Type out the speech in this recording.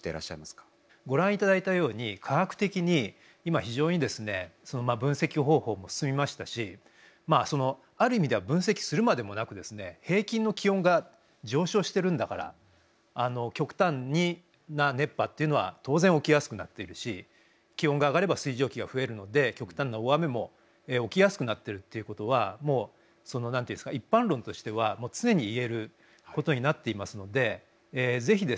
ご覧いただいたように科学的に今非常に分析方法も進みましたしある意味では分析するまでもなく平均の気温が上昇してるんだから極端な熱波っていうのは当然起きやすくなっているし気温が上がれば水蒸気が増えるので極端な大雨も起きやすくなってるっていうことはもうその何ていうんですか一般論としては常に言えることになっていますのでぜひですね